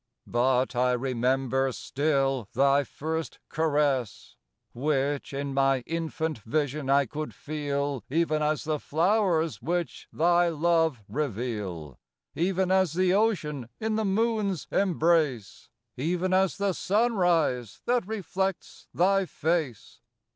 But I remember still Thy first caress, Which, in my infant vision I could feel Even as the flowers, which Thy love reveal, Even as the ocean in the Moon's embrace, Even as the sunrise that reflects Thy face.